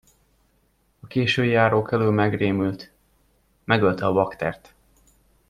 A késői járókelő megrémült: megölte a baktert.